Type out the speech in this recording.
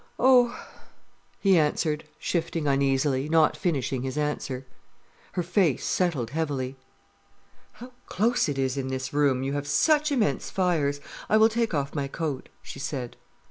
"Oh——" he answered, shifting uneasily, not finishing his answer. Her face settled heavily. "How close it is in this room. You have such immense fires. I will take off my coat," she said.